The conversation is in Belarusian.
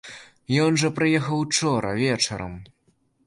Ён жа прыехаў учора вечарам.